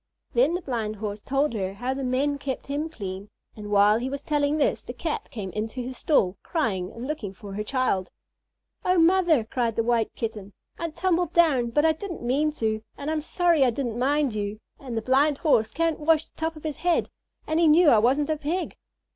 Then the Blind Horse told her how the men kept him clean; and while he was telling this the Cat came into his stall, crying and looking for her child. "Oh, mother," cried the White Kitten, "I tumbled down, but I didn't mean to, and I'm sorry I didn't mind you, and the Blind Horse can't wash the top of his head, and he knew that I wasn't a Pig."